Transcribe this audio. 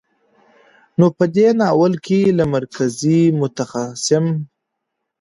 نو په دې ناول کې له مرکزي، متخاصم،